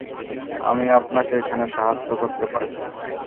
আমি আপনাকে এখানে সাহায্য করতে পারি।